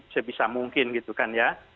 sebisa mungkin gitu kan ya